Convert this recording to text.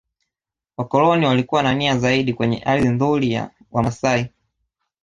Wakoloni walikuwa na nia zaidi kenye ardhi nzuri ya wamasai